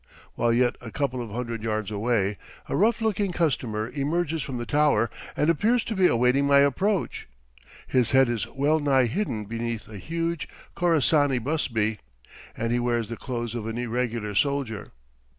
While yet a couple of hundred yards away, a rough looking customer emerges from the tower and appears to be awaiting my approach. His head is well nigh hidden beneath a huge Khorassani busby, and he wears the clothes of an irregular soldier.